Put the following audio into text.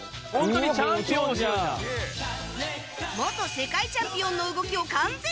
元世界チャンピオンの動きを完全再現